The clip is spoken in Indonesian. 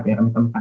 yang kami temukan